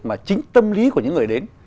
mà chính tâm lý của những người đến